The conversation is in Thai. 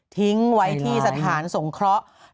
ทิ้งไว้ที่สถานสงเคราะห์